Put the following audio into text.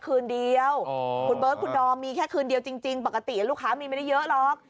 คืนเดียวคุณเบิร์ตคุณดอมมีแค่คืนเดียวจริงปกติลูกค้ามีไม่ได้เยอะหรอก